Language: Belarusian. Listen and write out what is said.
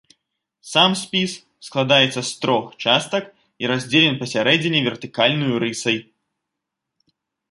Сам спіс складаецца з трох частак і раздзелен пасярэдзіне вертыкальнаю рысай.